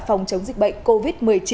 phòng chống dịch bệnh covid một mươi chín